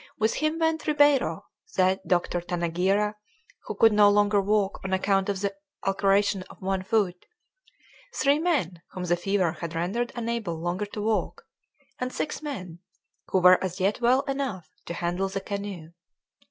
With him went Ribeiro, the doctor Tanageira, who could no longer walk on account of the ulceration of one foot, three men whom the fever had rendered unable longer to walk, and six men who were as yet well enough to handle the canoe.